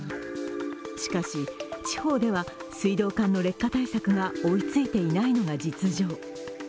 しかし、地方では水道管の劣化対策が追いついていないのが実情。